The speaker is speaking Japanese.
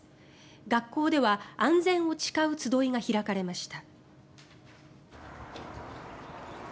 学校では安全を誓う集いが開かれました。